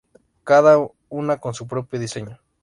Cada una con su propio diseño.